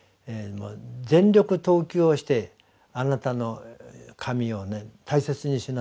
全力投球をしてあなたの神を大切にしなさい。